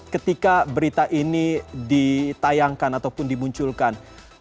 ketika berita ini ditayangkan ataupun dimunculkan